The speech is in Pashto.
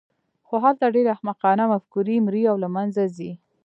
خو هلته ډېرې احمقانه مفکورې مري او له منځه ځي.